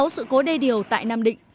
sáu sự cố đê điều tại nam định